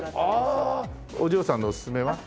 お嬢さんのおすすめは？